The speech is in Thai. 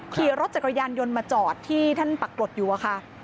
ขี่รถจักรยานยนต์มาจอดที่ท่านปรากฏอยู่อะค่ะ